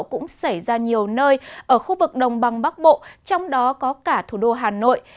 cũng xảy ra nhiều nơi ở khu vực đồng bằng bắc bộ trong đó có cả thủ đô hà nội